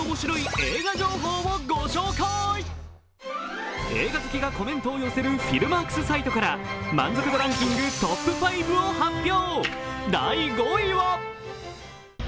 映画好きがコメントを寄せるフィルマークスサイトから満足度ランキングトップ５を発表！